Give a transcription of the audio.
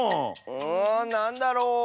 うんなんだろう？